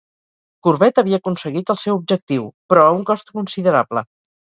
Courbet havia aconseguit el seu objectiu, però a un cost considerable.